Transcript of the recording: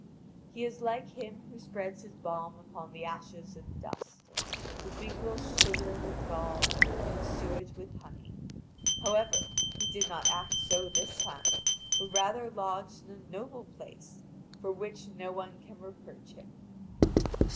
He is like him who spreads his balm upon the ashes and dust, who mingles sugar with gall, and suet with honey. However, he did not act so this time, but rather lodged in a noble place, for which no one can reproach him.